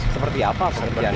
seperti apa pekerjaannya